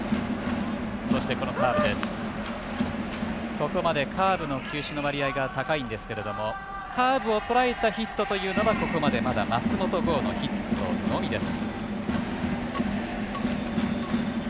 ここまでカーブの球種の割合が高いんですけれどカーブをとらえたヒットというのは、ここまでまだ松本剛のヒットのみです。